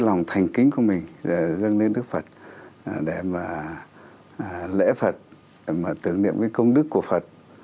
lòng thành kinh của mình là dâng lên đức phật là đẹp mà lễ phật mà tưởng niệm với công đức của phật